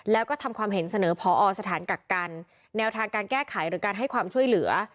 แล้วก็ทำความเห็นเสนอพอสถานกักกันแนวทางการแก้ไขหรือการให้ความช่วยเหลือ